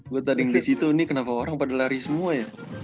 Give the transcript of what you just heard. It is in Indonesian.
gue tadi disitu nih kenapa orang pada lari semua ya